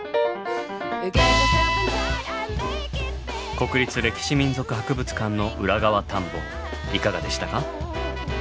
国立歴史民俗博物館の裏側探訪いかがでしたか？